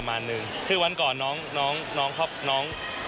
ประมาณนึงคือวันก่อนน้องน้องน้องครอบน้อง